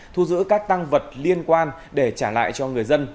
thu giữ các tăng vật liên quan để trả lại cho người dân